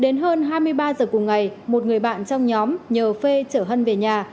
đến hơn hai mươi ba giờ cùng ngày một người bạn trong nhóm nhờ phê chở hân về nhà